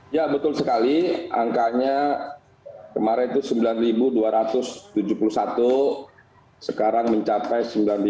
ya betul sekali angkanya kemarin itu sembilan dua ratus tujuh puluh satu sekarang mencapai sembilan lima ratus